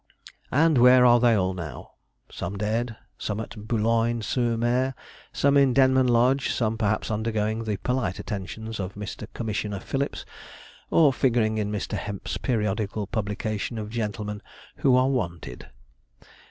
And where are they all now? Some dead, some at Boulogne sur Mer, some in Denman Lodge, some perhaps undergoing the polite attentions of Mr. Commissioner Phillips, or figuring in Mr. Hemp's periodical publication of gentlemen 'who are wanted.'